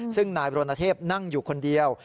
ซึ่งนายบรณเทพนั่งอยู่คนเดียว